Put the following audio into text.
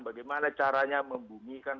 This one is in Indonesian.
bagaimana caranya membumikan